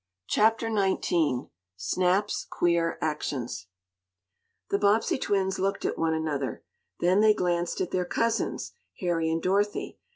CHAPTER XIX SNAP'S QUEER ACTIONS The Bobbsey twins looked at one another. Then they glanced at their cousins, Harry and Dorothy.